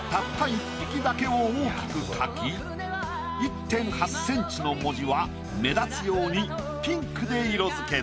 １匹だけを大きく描き「１．８ｃｍ」の文字は目立つようにピンクで色付けた。